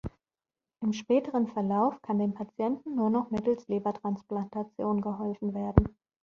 Im späteren Verlauf kann den Patienten nur noch mittels Lebertransplantation geholfen werden.